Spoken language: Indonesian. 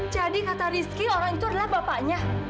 jadi kata rizky orang itu adalah bapaknya